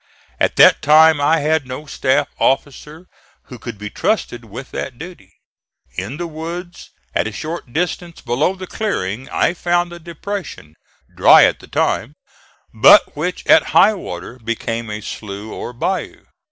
At that time I had no staff officer who could be trusted with that duty. In the woods, at a short distance below the clearing, I found a depression, dry at the time, but which at high water became a slough or bayou.